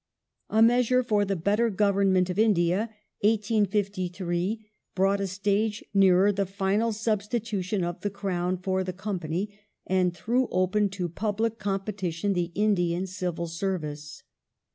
A measure for the better Government of India (1853) brought Glad a stage nearer the final substitution of the Crown for the Company, ?°"o^ . and threw open to public competition the Indian Civil Service.